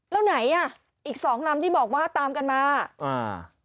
แล้วไหนอ่ะอีกสองลำที่บอกว่าตามกันมาอ่า